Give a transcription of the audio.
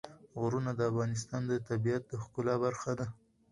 غرونه د افغانستان د طبیعت د ښکلا برخه ده.